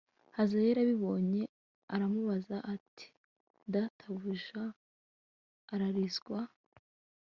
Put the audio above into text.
hazayeli abibonye aramubaza ati databuja ararizwa